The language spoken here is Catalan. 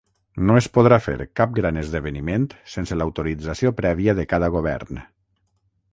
No es podrà fer cap gran esdeveniment sense l’autorització prèvia de cada govern.